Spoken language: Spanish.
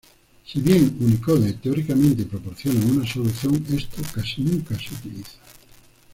Si bien Unicode, teóricamente, proporciona una solución, esto casi nunca se utiliza.